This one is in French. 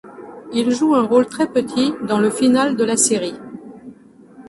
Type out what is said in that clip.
Il joue un rôle très petit dans le final de la série.